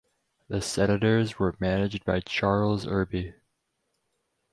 The Senators were managed by Charles Irby.